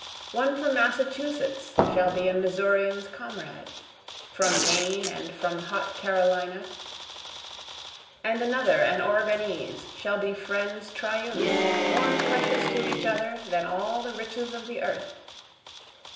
One from Massachusetts shall be a Missourian's comrade, From Maine and from hot Carolina, and another an Oregonese, shall be friends triune, More precious to each other than all the riches of the earth.